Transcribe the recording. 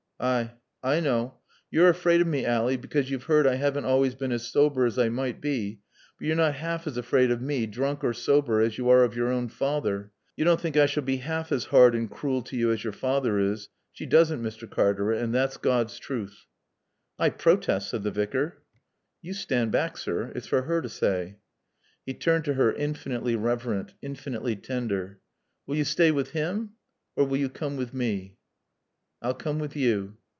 "Ay. I knaw. Yo're afraid o' mae, Ally, because yo've 'eard I haven't always been as sober as I might bae; but yo're nat 'aalf as afraid o' mae, droonk or sober, as yo' are of yore awn faather. Yo' dawn't think I s'all bae 'aalf as 'ard an' crooil to yo' as yore faather is. She doosn't, Mr. Cartaret, an' thot's Gawd's truth." "I protest," said the Vicar. "Yo' stond baack, sir. It's for 'er t' saay." He turned to her, infinitely reverent, infinitely tender. "Will yo' staay with 'im? Or will yo' coom with mae?" "I'll come with you."